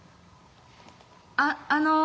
「あっあのぉ」。